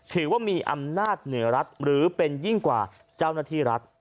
ถือว่ามีอำนาจเหนือรัฐหรือเป็นยิ่งกว่าเจ้าหน้าที่รัฐ